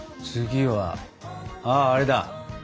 次はあああれだ。